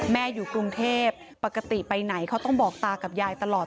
อยู่กรุงเทพปกติไปไหนเขาต้องบอกตากับยายตลอด